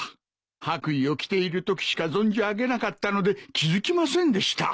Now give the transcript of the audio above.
白衣を着ているときしか存じ上げなかったので気付きませんでした。